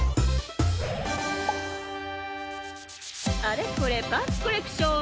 あれこれパンツコレクション！